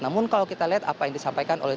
namun kalau kita lihat apa yang disampaikan oleh